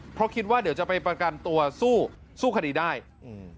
เพราะคิดว่าเดี๋ยวจะไปประกันตัวสู้สู้คดีได้อืม